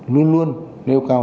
luôn luôn nêu cao